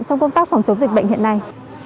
trong công tác phòng chống dịch bệnh hiện nay